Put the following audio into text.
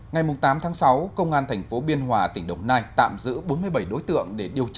ngày tám tháng sáu công an thành phố biên hòa tỉnh đồng nai tạm giữ bốn mươi bảy đối tượng